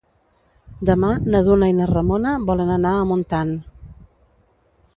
Demà na Duna i na Ramona volen anar a Montant.